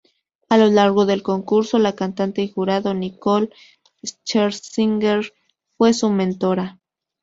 A lo largo del concurso, la cantante y jurado Nicole Scherzinger fue su mentora.